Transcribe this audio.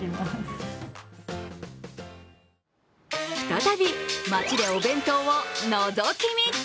再び街でお弁当をのぞき見。